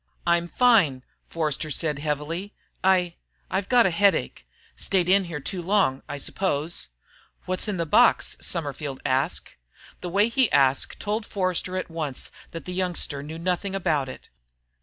"I'm fine," Forster said heavily. "I I've got a headache. Stayed in here too long, I suppose." "What's in the box?" Summerford asked. The way he asked told Forster at once that the youngster knew nothing about it.